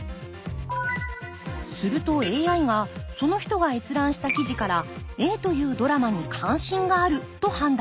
するとＡＩがその人が閲覧した記事からＡというドラマに関心があると判断。